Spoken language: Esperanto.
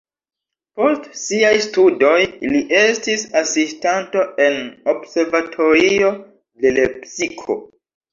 Post siaj studoj li estis asistanto en observatorio de Lepsiko.